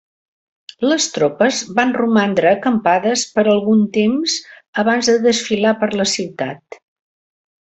Les tropes van romandre acampades per algun temps abans de desfilar per la ciutat.